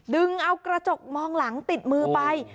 ดึงเอากระจกมองหลังติดมือไป